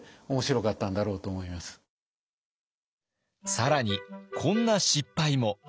更にこんな失敗も。